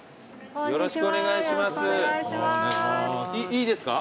いいですか？